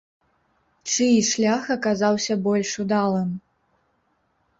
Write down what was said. Чый шлях аказаўся больш удалым?